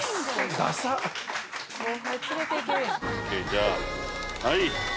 じゃあはい。